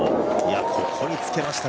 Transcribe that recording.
ここにつけました。